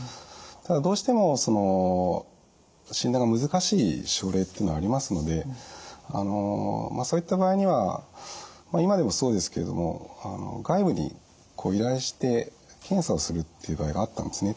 ただどうしても診断が難しい症例っていうのはありますのでそういった場合には今でもそうですけれども外部に依頼して検査をするっていう場合があったんですね。